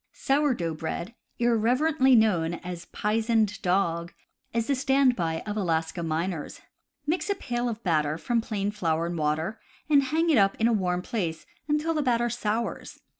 Sour dough Bread, irreverently known as "pizened dog," is the stand by of Alaska miners. Mix a pail of batter from plain flour and water, and hang it up in a warm place until the batter sours.